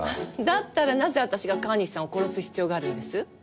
だったらなぜ私が川西さんを殺す必要があるんです？